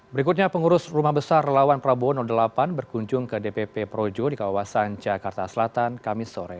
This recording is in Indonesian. berikutnya pengurus rumah besar relawan prabowo delapan berkunjung ke dpp projo di kawasan jakarta selatan kamis sore